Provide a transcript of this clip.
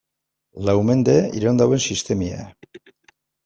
Lau mende iraun duen sistema.